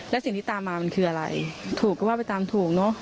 และสิ่งที่ตามมามันคืออะไรถูกก็ว่าไปตามถูกเนอะ